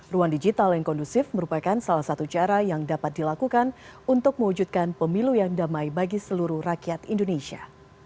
ruang digital yang kondusif merupakan salah satu cara yang dapat dilakukan untuk mewujudkan pemilu yang damai bagi seluruh rakyat indonesia